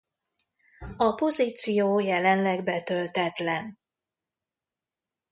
A pozíció jelenleg betöltetlen.